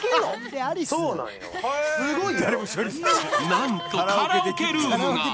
なんと、カラオケルームが。